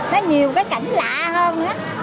nó nhiều cái cảnh lạ hơn